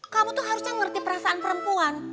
kamu tuh harusnya ngerti perasaan perempuan